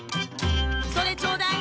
それちょうだい。